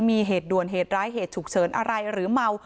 มีเหตุด่วนเหตุร้ายเหตุฉุกเฉินอะไรหรือเมา